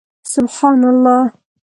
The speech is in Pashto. سبحان الله